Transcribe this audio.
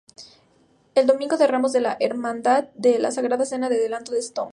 El Domingo de Ramos en la Hermandad de la Sagrada Cena delante del Stmo.